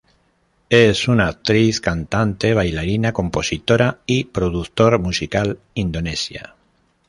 Es una actriz, cantante, bailarina, compositora y productor musical indonesia.